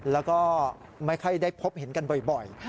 แล้วก็ไม่ค่อยได้พบเห็นกันบ่อย